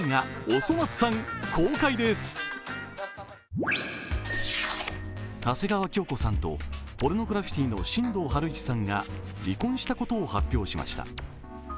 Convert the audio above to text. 長谷川京子さんとポルノグラフィティの新藤晴一さんが離婚したことを発表しました。